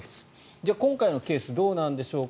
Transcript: じゃあ今回のケースどうなんでしょうか。